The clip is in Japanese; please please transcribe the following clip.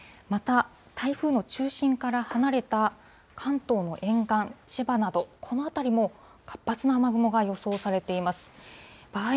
また、台風の中心から離れた関東の沿岸、千葉など、この辺りも、活発な雨雲が予想されています。